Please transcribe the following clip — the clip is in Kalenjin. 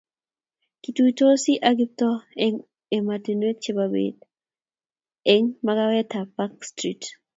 kituisoti ak Kiptoo eng omitwogik chebo beet eng makawetab Park Street